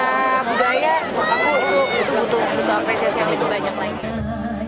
berani itu tampil juga untuk acara budaya aku untuk butuh apresiasi yang lebih banyak lagi